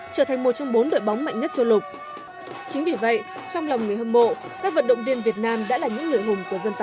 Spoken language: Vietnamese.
trở thành một trong những vận động viên đặc biệt